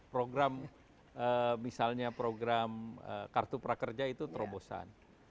program misalnya program kartu prakerja itu terobosan